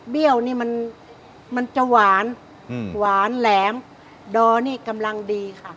วนี่มันมันจะหวานหวานแหลมดอนี่กำลังดีค่ะ